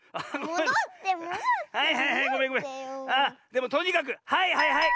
でもとにかくはいはいはい！